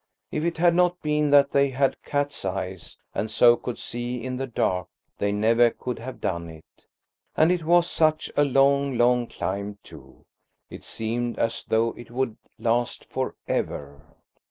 If it had not been that they had cats' eyes, and so could see in the dark, they never could have done it. And it was such a long, long climb too; it seemed as though it would last for ever.